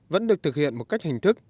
vẫn được thực hiện một cách hình thức